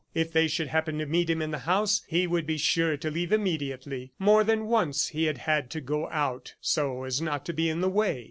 If they should happen to meet him in the house, he would be sure to leave immediately. More than once, he had had to go out so as not to be in the way.